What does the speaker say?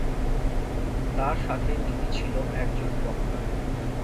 তার সাথে তিনি ছিলো একজন বক্তা।